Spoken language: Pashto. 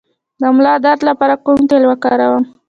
د ملا درد لپاره کوم تېل وکاروم؟